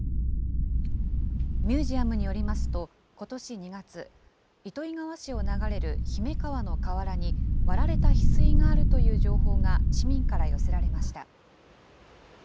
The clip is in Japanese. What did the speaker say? ミュージアムによりますと、ことし２月、糸魚川市を流れる姫川の河原に、割られたヒスイがあるという情報が市民から寄せられました。